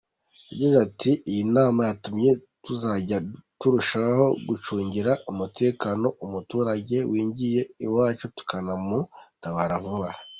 Yagize ati “iyi nama yatumye tuzajya turushaho gucungira umutekano umuturage winjiye iwacu tukanamutabara vuba”.